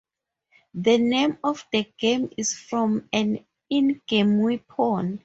The name of the game is from an in-game weapon.